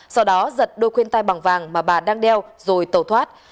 sau đó giật đôi khuyên tai bằng vàng mà bà đang đeo rồi tẩu thoát